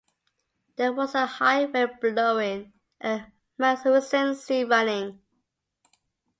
There was a high wind blowing, and a magnificent sea running.